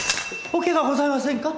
お怪我ございませんか？